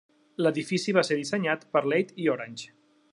L'edifici va ser dissenyat per Leigh i Orange.